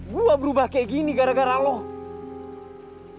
gue berubah kayak gini gara gara lu